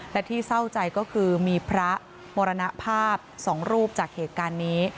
และที่เศร้าใจก็คือมีพระมรณภาพ๒รูปจากเหตุการณ์นี้